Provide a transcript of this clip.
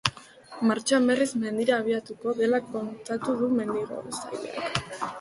Martxoan berriz mendira abiatuko dela kontatu du mendigoizaleak.